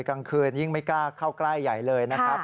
กลางคืนยิ่งไม่กล้าเข้าใกล้ใหญ่เลยนะครับ